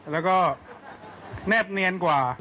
แล้วก็แนบเนียนกว่า